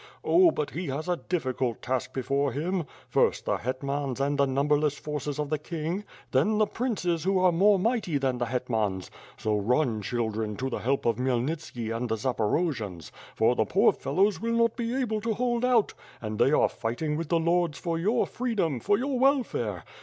Oh, but he has a difficult task before him! First, the hetmans and the numberless forces of the king; then the princes who are more mighty than the hetmans; so run, children, to the help of Khmyelnitski and the Zaporojians, for the poor fellows will not be able to hold out — and they are fighting with the lords for your freedom, for your welfare.